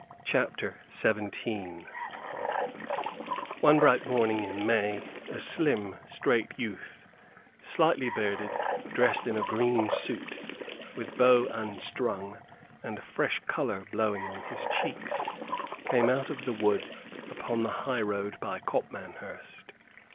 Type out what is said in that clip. CHAPTER XVII One bright morning in May a slim, straight youth, slightly bearded, dressed in a green suit, with bow unstrung, and a fresh color blowing on his cheeks, came out of the wood upon the highroad by Copmanhurst.